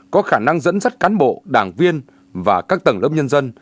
có khả năng dẫn dắt cán bộ đảng viên và các tầng lớp nhân dân